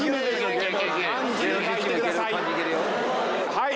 はい。